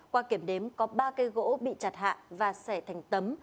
qua kiểm đếm có ba cây gỗ bị chặt hạ và sẻ thành tấm